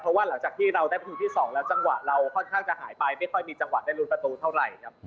เพราะว่าหลังจากที่เราได้ประตูที่๒แล้วจังหวะเราค่อนข้างจะหายไปไม่ค่อยมีจังหวะได้รุ้นประตูเท่าไหร่ครับ